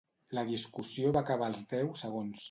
La discussió va acabar als deu segons.